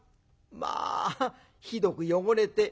まあひどく汚れて。